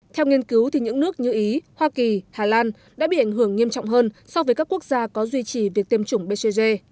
theo nghiên cứu thì những nước như ý hoa kỳ hà lan đã bị ảnh hưởng nghiêm trọng hơn so với các quốc gia có duy trì việc tiêm chủng bcg